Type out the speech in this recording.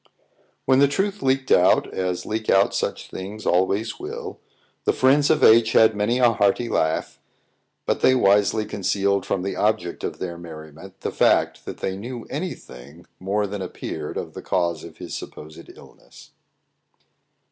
When the truth leaked out, as leak out such things always will, the friends of H had many a hearty laugh; but they wisely concealed from the object of their merriment the fact that they knew any thing more than appeared of the cause of his supposed illness.